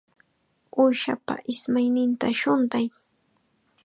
Uushapa ismayninta shuntay.